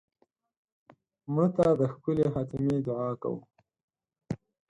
مړه ته د ښکلې خاتمې دعا کوو